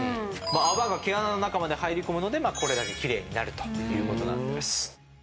泡が毛穴の中まで入り込むのでこれだけ奇麗になるということなんです。